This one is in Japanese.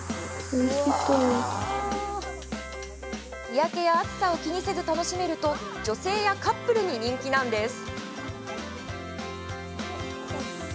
日焼けや暑さを気にせず楽しめると女性やカップルに人気なんです。